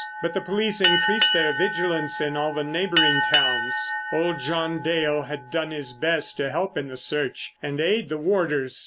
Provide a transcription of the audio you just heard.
But the police increased their vigilance in all the neighbouring towns. Old John Dale had done his best to help in the search and aid the warders.